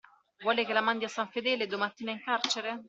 Vuole che la mandi a San Fedele, e domattina in carcere?